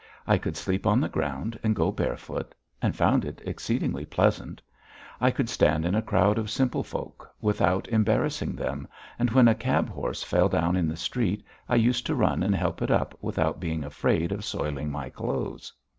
I could sleep on the ground and go barefoot and found it exceedingly pleasant. I could stand in a crowd of simple folks, without embarrassing them, and when a cab horse fell down in the street, I used to run and help it up without being afraid of soiling my clothes.